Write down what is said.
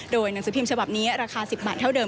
โดยหนังสือพิมพ์ฉบับนี้ราคา๑๐บาทเท่าเดิ